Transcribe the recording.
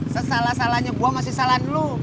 sesalah salahnya buah masih salah dulu